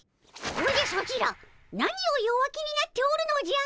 おじゃソチら何を弱気になっておるのじゃ！